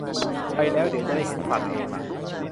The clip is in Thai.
ไปแล้วเดี๋ยวจะได้เห็นฝั่งเองล่ะ